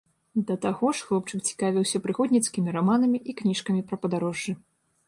Да таго ж хлопчык цікавіўся прыгодніцкімі раманамі і кніжкамі пра падарожжы.